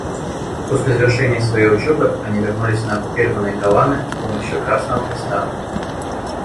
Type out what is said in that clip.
После завершения своей учебы они вернулись на оккупированные Голаны с помощью Красного Креста.